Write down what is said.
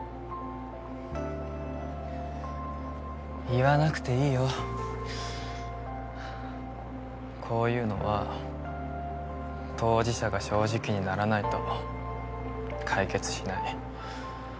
言わなくていいよこういうのは当事者が正直にならないと解決しない